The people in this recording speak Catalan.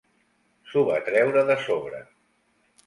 S'ho va treure de sobre.